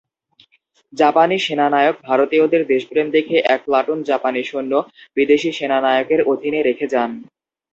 জাপানি সেনানায়ক ভারতীয়দের দেশপ্রেম দেখে এক প্লাটুন জাপানি সৈন্য বিদেশি সেনানায়কের অধীনে রেখে যান।